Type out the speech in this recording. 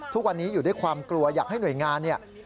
ทุกวันนี้อยู่ด้วยความกลัวอยากให้หน่วยงานเนี่ย